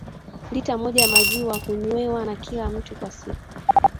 Lita moja ya maziwa hunywewa na kila mtu kwa siku